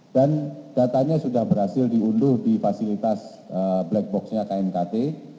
dan datanya sudah berhasil diunduh di fasilitas black box nya knkt